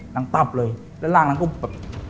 ร่างตับเลยแล้วร่างนั้นก็แบบ